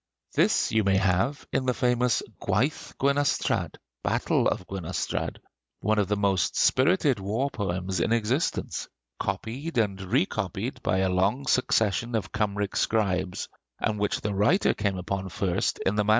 This you may have in the famous 'Gwaith Gwenystrad' (Battle of Gwenystrad), one of the most spirited war poems in existence, copied and recopied by a long succession of Kymric scribes, and which the writer came upon first in the MS.